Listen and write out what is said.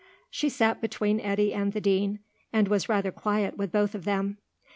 She sat between Eddy and the Dean, and was rather quiet with both of them.